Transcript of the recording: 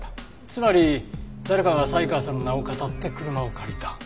つまり誰かが才川さんの名をかたって車を借りた。